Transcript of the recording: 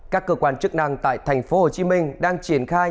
các cơ quan chức năng tại tp hcm đang triển khai